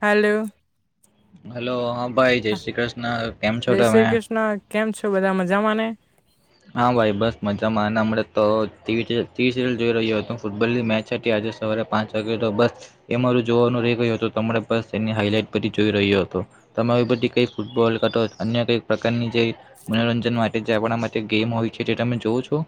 Hello! Hello! હા ભાઈ, જય શ્રી કૃષ્ણ કેમ છો તમે? મજા મા ને? હા ભાઈ બસ મજામાં, ના મળે [unintelligible] સીરિયલ જોઈ રહ્યો હતો ફૂટબોલની મેચ હતી સવારે પાંચ વાગે તો બસ એ મારું જોવાનું રહી ગયું હતું તણે બસ એની હાઈલાઈટ પરછથી જોઈ રહ્યો હતો. મે બધી કઈક ફૂટબોલ અન્ય કઈક પ્રકારની જે મનોરંજન માટે જે આપણા માટે ગેમ છે, જે તમે જોવ છો?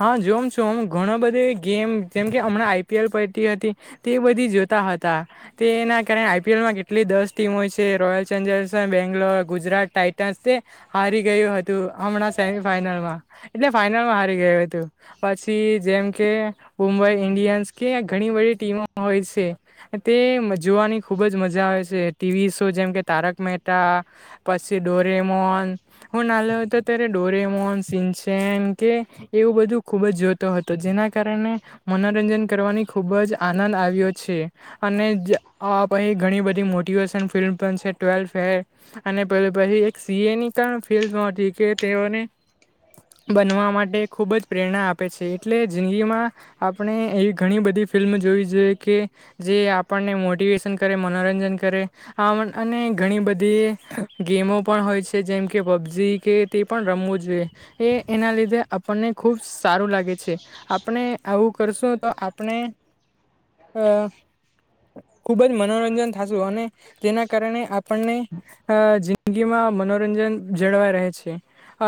હા જોમ છોમ, ઘણ બધી ગેમ જેમ કે હમણાં આઈ પી એલ પડતી હતી તે એ બધી જો હતા તેના કારણે આઈ પી એલ માં કેટલી દસ ટીમો છે રોયલ ચેલેન્જર્સ બેંગ્લોર, ગુજર રા ટાઈટ હારી ગયું હતું, હમણાં સેમી ફાઈનલમાં એટલે ફાાઈનલમાં હારી ગયું પછી જેમ કે મુંબઈ ઇન્ડિયન્સ કે ઘણી બધી ટીમો હોય છે. તે જોવાની ખુબ જ મજા આવે છે, ટીવી શો જેમ કે તારક મહેતા પ ડોરેમોન હું નાનો તો ત્યારે ડોરેમોન, સિનચન કે એવું બધું ખુબ જ જોતો હતો, જેના કારણે મનોરંજન કરવાની ખુબ જ આનંદ આવ્યો છે. અને ઘણી બધી મોટેશન ફિલ્મ છે ટ્વેલ્થ ફેલ અને ભાઈ એક સી એ ની પણ ફિલ્ડ હતી કે તેઓને બનવા માટે ખૂબ જ પ્રેરણા આપે છે, એટલે જિંદગીમાં આપણે એવી ઘણી બધી ફિલ્મ જોવી જોઈએ કે જે આપણને મોટિવેશન કરે મનોરંજન કરે આ અને ઘણી બધી ગેમો પણ હોય છે, જેમ કે પબજી કે તે પણ રમવું જોઈએ એ એના લીધે આપણને ખુબ સારું લાગે છે આપણે આવું કરશું તો આપણે હા. ખુબ જ મનોરંજન થશું અને તેના કારણે આપણને જિંદગીમાં મનોરંજન જળવાય રહે છે,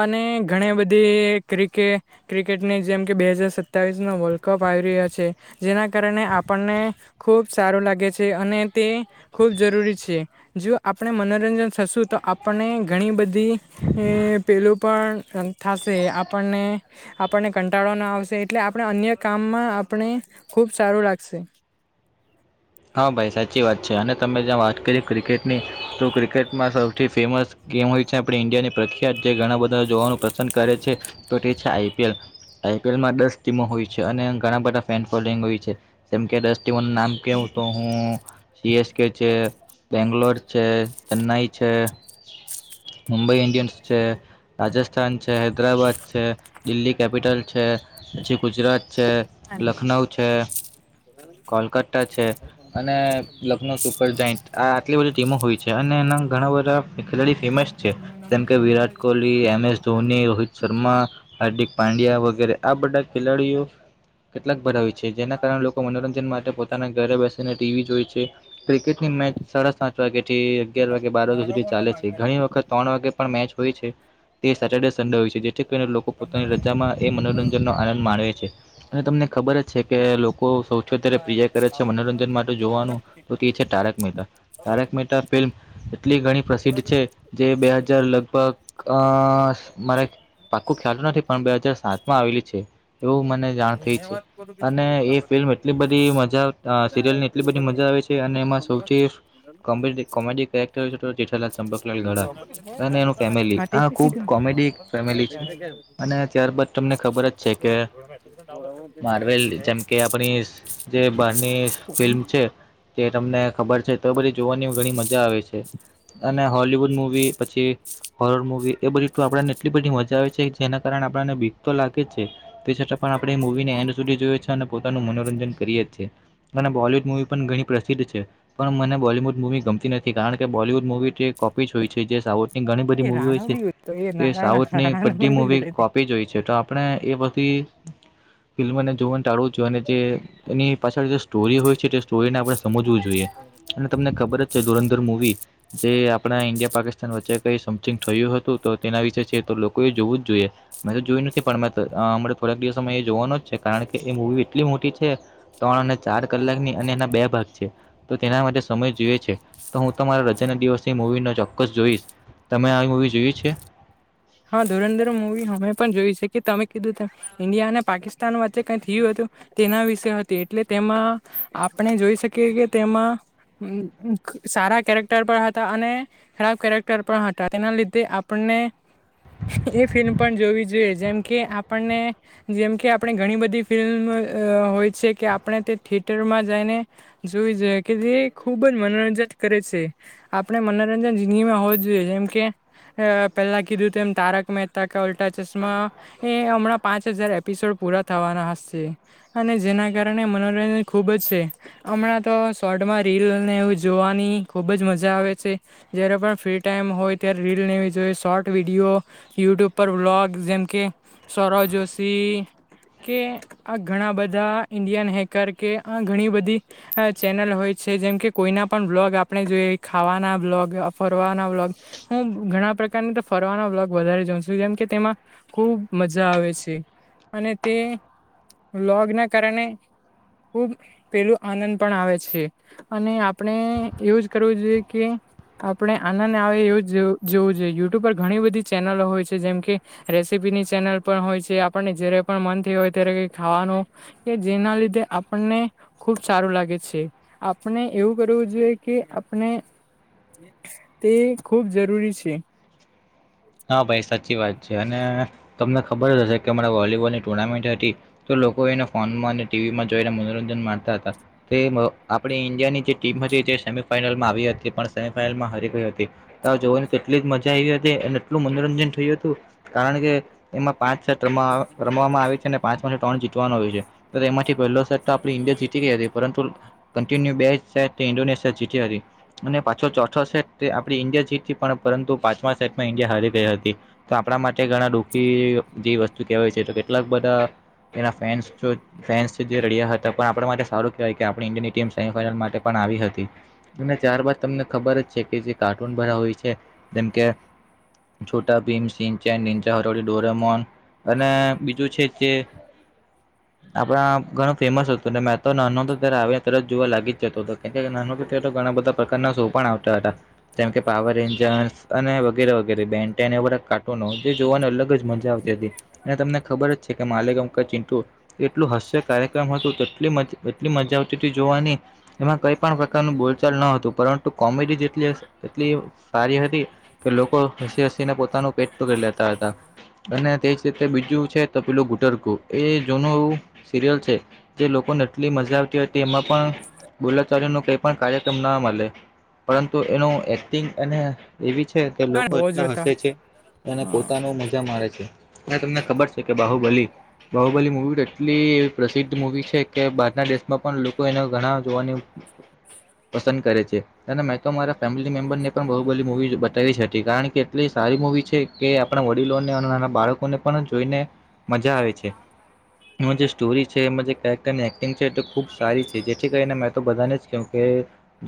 અને ઘણી બધી ક્રિકે ક્રિકેટની જેમ કે બે હજાર સત્તાવીસનો વર્લ્ડ કપ આવી રહ્યા છે જેના કારણે આપ આપને ખૂબ સારું લાગે છે, અને તે ખૂબ જરૂરી છે જો આપણે મનો થશું તો આપને ઘણી બધી પેલું પણ થશે આ આપણને આપણને કંટાળો ન આવશે એટલે આપણે અન્ય કામમાં આપણે ખૂબ સારું લાગ છે. હા ભાઈ સાચી વાત છે, અને તમે જ્યાં વાત કરી ક્રિકેટની તો ક્રિકેટમાં સૌથી ફેમસ ગેમ હોય છે આપણે ઇન્ડિયાની પ્રખ્યાત જે ઘણા બધા જોવાનું પસંદ કરે છે, તો તે છે આઈ પી એલ. આઈપીએલમાં દસ ટીમો હોય છે, અને ઘણા બધા ફેન ફોલોઈંગ હોય છે, જેમ કે દસ નામ કેવું તો હું એ કેસ કે છે, બેંગલોર છે, ચેન્નાઈ છે મુંબઈ ઇન્ડિયન્સ છે, રાજસ્થાન છે, હૈદરાબાદ છે, દિલ્હી કેપિટલ્સ છે પછી ગુજરાત છે, લખનઉ છે, કોલકતા છે, અને લખનઉ સુપર જઇન્ટ આ આટલી બધી ટીમો હોય છે અને એના ઘણા બધા ખેલાડી ફેમસ છે જેમ કે વિરાટ હા કોહલી, એમ એસ ધોની, રોહિત શર્મા, હાર્દિક પાંડ્યા વગેરે આ બધા ખેલાડીઓ કેટલાક ભરાવે છે, જેના કારણે મનોરંજન માટે પોતાના ઘરે બેસીને ટીવી જોઈ છે ક્રિકેટની મેચ સાડા સાત વાગે થી અગિયાર વાગે બાર વાગ્યા સુધી ચાલે છે, ઘણી વખત ત્રણ વાગે પણ મેચ હોય છે, તે સેટરડે સંડે હોય છે જેથી કરીને લોકો પોતાની રજામાં એ મનોરંજનનો આનંદ માણે છે અને તમને ખબર જ છે કે લોકો સૌથી વધારે પ્રિય કરે છે મનોરંજન માટે જોવાનું તો તે છે તારક મહેતા, તારક મહેતા ફિલ્મ એટલી ઘણી પ્રસિદ્ધ છે, જે બે હજાર લગભગ અ મારે ખ્ય પાક્કું ખ્યાલુ નથી પણ બે હાજાર સાત માં આવેલી છે, એવું મને જાણ થઈ છે અને એ ફિલ્મ એટલી બધી મજા, અ સિરિયલની એટલી બધી મજા આવે છે. અને એમાં સૌથી કમબેડી કોમેડી કરેક્ટર જેઠાલાલ ચંપકલાલ ગડા અને એનું ફેમિલી તે આ તો ખુબ કીધું કોમેડી ફેમિલી છે. અને ત્યારબાદ તમને ખબર જ છે કે માર્વેલ જેમ કે આપણી જે બહારની ફિલ્મ છે. તે તમને ખબર છે તો બધી જોવાની ઘણી મજા આવે છે. અને હોલવુડ મૂવી પછી હોરર મુવી એ બધી આપડને એટલી બધી મજા આવે છે જેના કારણે આપડાને બીક તો લાગે છે. તે છતા પણ આપણે મુવીને એન્ડ સુધી જોય છે. અને પોતાનું મનોરંજન કરી જ છે. અને બોલીવુડ મૂવી પણ ઘણી પ્રસિદ્ધ છે. પણ મને બોલીવૂડ મૂવી ગમતી નથી. કારણ કે બોલીવુડ મૂવીથી કોપી જ હોય છે જે સાવ ની ઘણી બધી એ મૂવી હોય રાણા છે બી હતો એ ના તે રાણા સાઉથની રાણા બધી નંબર બી મુવી લીધો તે કોપી જ હોય છે. તો આપણે એ વસ્તુ ઈ ફિલ્મને જોવાન ટાળું છું. અને જે એની પાછળ જે સ્ટોરી હોય છે તે સ્ટોરીને આપડે સમજવું જો જોઈએ અને તમને ખબર જ છે. ધુરંધર મૂવી જે આપણા ઈન્ડિયા પાકિસ્તાન વચ્ચે કઈ સમથિંગ થયું હતું. તો તેના વિશે તો લોકો એ જોવું જ જોઈએ. મેં તો જોયું નથી પણ મે તો અ અમણા થોડાક દિવસોમાં જોવાનું જ છે. કારણ કે એ મૂવી એટલી મોટી છે, ત્રણ અને ચાર કલાકની અને એના બે ભાગ છે. તો તેના માટે સમય જોઈએ છે. તો હું મારા રજાના દિવસની મૂવી ન ચોક્કસ જોઈશ. તમે આવી મૂવી જોઈ છે? હા, ધુરંધર મૂવી અમે પણ જોઈ છે કે તમે કીધું તે ઈન્ડિયા અને પાકિસ્તાન વચ્ચે કઈ થયું હતું તેના વિશે હતી. એટલે તેમાં આપણે જોઈ શકીએ કે તેમાં સારા કેરેક્ટર પણ હતા અને ખરાબ કેરેક્ટર પણ હતા. તેના લીધે આપણે ને એ ફિલ્મ પણ જોવી જોઈએ. જેમ કે આપણને જેમ કે આપણે ઘણી બધી ફિલ્મ હોય છે. કે આપણે તે થિયેટરમાં જઈને જોઈ જઈએ કે જે ખુબ જ મનોરંજન કરે છે. આપણે મનોરંજન જિંદગીમાં હોવ જોઈએ જેમ કે પેલા કીધું તેમ તારક મહેતા કા ઉલ્ટા ચશ્મા એ હમણાં પાંચ હજાર એપિસોડ પૂરા થવાના હશે. છે. અને જેના કારણે મનોરંજન ખૂબ જ છે. હમણાં તો શોર્ટમાં રીલને એ જોવાની ખુબ જ મજા આવે છે. જયારે પણ ફ્રી ટાઈમ હોય ત્યારે રીલને વી જોઈએ. શોર્ટ વિડીયો, યુટ્યુબ પર બ્લોગ, જેમકે સૌરવ જોશી કે આ ઘણા બધા ઇન્ડિયન હેકર કે આ ઘણી બધી ચેનલ હોય છે. જેમ કે કોઈના પણ વ્લોગ આપણે જોઈએ ખાવાના વ્લોગ, ફરવાના વ્લોગ હું ઘણા પ્રકારની તે ફરવાના વ્લોગ વધારે જોઉ છું. જેમ કે તેમાં ખુબ મજા આવે છે. અને તે વ્લોગના કારણે ખુબ પેલું આનંદ પણ આવે છે. અને આપણે એવું જ કરવું જોઈએ કે આપડે આનંદ આવે એવું જ જોવું જોઈએ. યુ ટ્યૂબ પર ઘણી બધી ચેનલો હોય છે, જેમ કે રેસીપીની ચેનલ પણ હોય છે. આપણને જયારે પણ મન થયુ હોય ત્યારે કઈ ખાવાનો કે જેના લીધે આપણને ખુબ સારું લાગે છે આપણે એવું કરવું જોઈએ કે આપણે તે ખૂબ જરૂરી છે. હા, ભાઈ સાચી વાત છે. અને તમને ખબર જ હશે કે અમારા વોલીબોલની ટુર્નામેન્ટ હતી તો લોકો એને ફોનમાંને ટીવીમાં જોઈને મનોરંજન માણતા હતા. તે આપણે ઇન્ડિયાની જે ટીમ હતી જે સેમીફાઈનલમાં આવી હતી પણ સેમીફાઈનલમાં હરી ગઈ હતી. તો જોવાની કેટલી મજા આઈવી હતી એટલું મનોરંજન થયું તું. કારણ કે એમાં પાંચ છત રમ રમવામાં આવે છે. ને પાંચમાથી ત્રણ જીતવાનું હોય છે. તો તેમાં થી પહેલો સેટ તો આપડી ઇન્ડિયા જીતી ગઈ હતી. પરંતુ કન્ટિન્યુ બે સેટ તે ઈન્ડોનેશિયા જીતી હતી. અને પાછો ચોથો સેટ તે આપડી ઈન્ડિયા જીતી, પણ પરંતુ પાંચમા સેટમાં ઈન્ડિયા હારી ગઈ હતી. તો આપડા માટે ઘણા દુઃખી જેવી વસ્તુ કેહેવાય છે. તો કેટલાક બધા એના ફેન્સ ચ ફેનસ જે રડ્યા હતા. પણ આપડા માટે સારું કેવાય કે આપડી ઈન્ડિયાની ટીમ સેમીફાઈનલ માટે પણ આવી હતી. અને ત્યારબાદ તમને ખબર જ છે કે જે કાર્ટૂન બધા હોય છે, જેમકે છોટાભીમ, સિનચેન, નીન્જાહથોળી, ડોરેમોન અને બીજું છે જે [inaudible] [unintelligible] આપડા ઘણું ફેમસ હતું ને મે તો નાનો તો ત્યારે આવે તરત જોવા લાગી જતો હતો કેમ નાનો તો ત તો ઘણા બધા પ્રકારના શો પણ આવતા હતા જેમ કે પાવર એન્જ અને વગેરે વગેરે બેન કાર્ટૂનો જે જોવાની અલગ જ મજા આવતી હતી અને તમને ખબર જ છે કે માલ [unintelligible] એટલું હાસ્ય કાર્યક્રમ હતું એટલી મજા આવતી જોવાની. એમાં કઈ પણ પ્રકારનું બોલચાલ ન હતું પરંતુ કોમેડી જેટલી એટલી સારી હતી કે લોકો હસી હસીને પોતાનું પેટ તૂરી લેતા હતા અને તે તે બીજું છે તપીલું ગુટરકુ એ જૂનું એવું સિરિયલ છે. જે લોકોને આટલી મજા આવતી હોય. તેમાં પણ બોલાચાલી નો કઈ પણ કાર્યક્રમ ના મળે પરંતુ એનું એક્ટિંગ અને એવી છે કે લોકો બહુ એટલા જોતા હસે છે અને હા પોતાનો મજા મારે છે. અ તમને ખબર છે કે બાહુબલ બાહુબલી મુવી એટલી પ્રસિદ્ધ મુવી છે કે બહારના દેશમાં પણ લોકો એના ઘણા જોવાની પસંદ કરે છે. અને મે તો મારા ફેમિલી મેમ્બરને પણ બહુ બધી મુવીઝ બતાવી છે કારણ કે એટલી સારી મૂવી છે કે આપણા વડીલોને અને નાના બાળકોને પણ જોઈને મજા આવે છે. એ જે સ્ટોરી છે એ જે કેરેક્ટરની એક્ટિંગ છે તે ખુબ સારી છે જેથી કરીને મેં તો બધાને જ કહું કે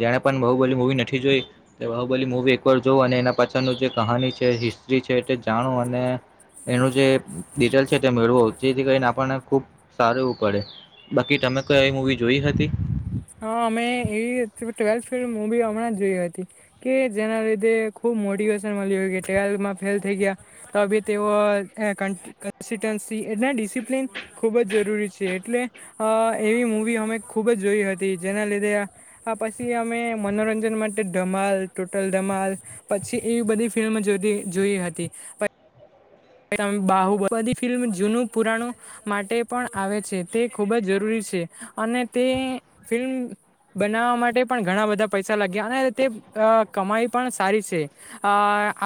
જેને પણ બાહુબલી મુવી નથી જોઈ તે બાહુબલી મુવી એક વાર જોવ અને એના [unintelligible] જે કહાની છે હિસ્ટ્રી છે એ તે જાણો અને એનું જે ડિટેલ છે તે મેળવો જેથી કરીને આપણને ખુબ સારું એવું પડે. બાકી તમે કઈ આવી મુવી જોઈ હતી? હા અમે એવી ટ્વેલ્થ ફિલ્મ મવી હમણાં જોય હતી કે જેના લીધે ખુબ મોટિવેશન મળી ગ ટવેલ્માં ફેલ થઈ ગયા તો તેઓ [unintelligible] એટના ડિસિપ્લિન ખૂબ જ જરૂરી છે એટલે એવી મૂવી અમે ખૂબ જ જોઈ હતી. જેના લીધે આ પછી અમે મનોરંજન માટે ધમાલ, ટોટલ ધમાલ છે. એવી બધી ફિલ્મ જોતી જોઈ હતી [inaudible] બાહુબલી ફિલ્મ જૂનું પુરાણો માટે પણ આવે છે. તે ખૂબ જ જરૂરી છે. છે અને તે ફિલ્મ બનાવવા માટે પણ ઘણા બધા પૈસા લાગ્યા અને તે કમાઈ પણ સારી છે. અ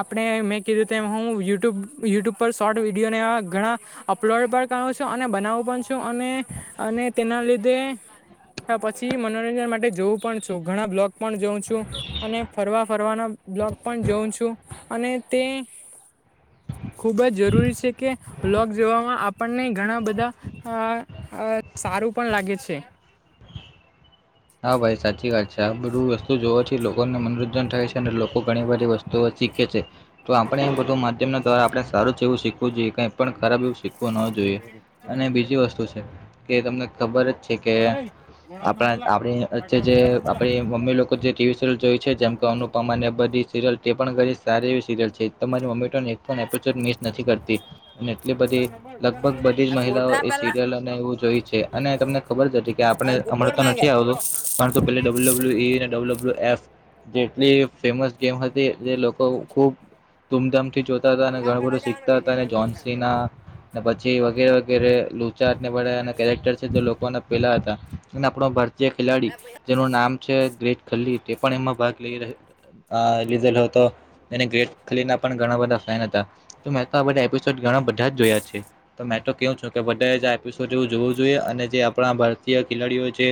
આપણે મેં કીધું તેમ હું યુટ્યુબ યુટ્યુબ શોર્ટ વિડીયોને ઘણા અપલોડ પણ કર છો અને બનાવું પણ છું અને તેના મળ લીધે હા પછી મનોરંજન માટે જોવું પણ છું. ઘણા બ્લોગ પણ જોઉં છું અને ફરવા ફરવાના બ્લોગ પણ જોઉં છું અને તે ખુબ જ જરૂરી છે કે લોક જોવામાં આપણને ઘણા બધા આ અ [unintelligible] સારું પણ લાગે છે. હા ભાઈ સાચી વાત છે. આ બધું વસ્તુ જો છે લોકોને મનોરંજન થાય છે ને લોકો ઘણી બધી વસ્તુઓ શીખે છે. તો આપણે એ બધું માધ્યમ ના દ્વારા આપણે સારું છે એવું શીખવું જોઈએ ક પણ ખરાબ એવું શીખવુ ન જોઈએ અને બીજી વસ્તુ છે કે તમને ખબર જ છે કે આપણા [inaudible] વચ્ચે જે આપણી મમ્મી લોકો જે ટીવી સો જોય છે જેમ કે અનુપમાને સરિલ તે પણ કરી સારી એવી સિરિયલ છે. તમારી મમ્મી એપિસડ મિસ નથી કરતી અને એટલી બધી લગભગ બધી જ આ મહિલાઓ કોટા એ પેલા સિરિયલને એવું જોઈ છે અને તમને ખબર જ હતી કે આપડણે કોડ અમડતો માંગે નથી હલો કારણ કે પેલી ડબલ્યુ-ડબલ્યુ-ઈ ડબલ્યુ-ડબલ્યુ-એફ જેટલી ફેમસ ગમે હતી જે લોકો ખુબ ધૂમધામથી જોતા હતા અને ઘણું બધું શીખતા હતા અને જોન્સીના પછી વગેરે વગેરે લુચાને કેરેક્ટર છે લોકોના પેલા હતા અને આપણ ભ જે ખેલાડી જેનું નામ છે ગ્રેટ ખલ્લી તે પણ એમાં ભાગ લઈ અ લીધેલો હતો અને ગ્રેટ ખલ્લી ના પણ ઘણા બધા ફેન હતા. તો મેં તો આ બધા એપિસોડ ઘણા બધા જ જોયા છે. તો મે તો કેવું છું કે પિસોડવ જોવુ, જોઈએ અને જે આપણા ભારતીય ખેલાડીઓ જે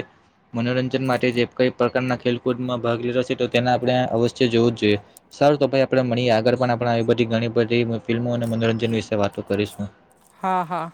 મનોરંજન માટે જે, કઈ પ્રકારના ખેલકૂદમાં ભાગ લીધો છે, તો તેને આપણે વું જોઈએ, સર તો ભ આપણે મળીએ આગળ પણ આપ આવી બધી ઘણી બધી ફિલ્મો મનોરંજન વિશે, વાતો કરીશ હા હા.